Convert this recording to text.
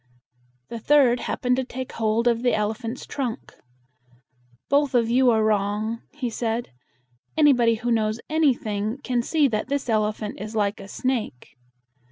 The third happened to take hold of the elephant's trunk. "Both of you are wrong," he said. "Anybody who knows anything can see that this elephant is like a snake."